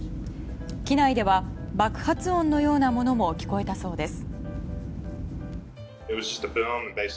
機内では爆発音のようなものも聞こえたそうです。